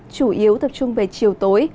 chủ yếu tập trung về chiều tối